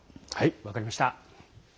分かりました。